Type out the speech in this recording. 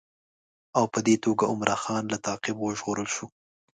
او په دې توګه عمرا خان له تعقیبه وژغورل شو.